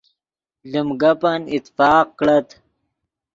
لیم گپن اتفاق کڑت